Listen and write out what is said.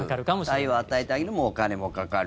太陽与えてあげるのにもお金かかる。